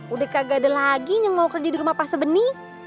udah kagak ada lagi yang mau kerja di rumah pasbeni